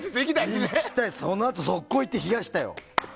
そのあと即行行って冷やしたよ。